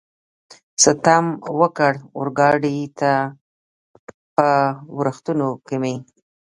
ستم وکړ، اورګاډي ته په ورختو کې مې.